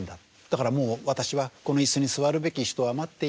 だからもう私はこの椅子に座るべき人は待っていないんだ。